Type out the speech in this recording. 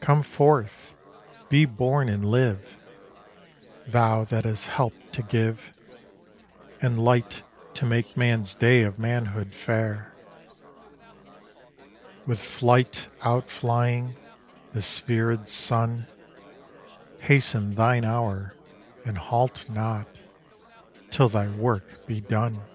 Come forth, be born and live, Thou that hast help to give And light to make man's day of manhood fair: With flight outflying the spherèd sun, Hasten thine hour and halt not, till thy work be done.